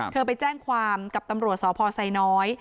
เธอไปแจ้งความกับตำรวจศพใสย